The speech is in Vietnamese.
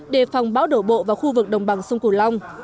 đề phòng bão đổ bộ vào khu vực đồng bằng sông cửu long